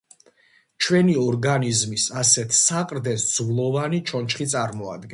ჩვენი ორგანიზმის ასეთ საყრდენს ძვლოვანი ჩონჩხი წარმოადგენს.